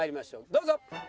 どうぞ！